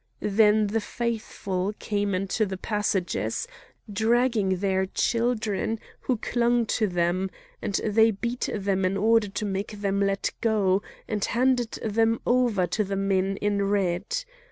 Then the faithful came into the passages, dragging their children, who clung to them; and they beat them in order to make them let go, and handed them over to the men in red.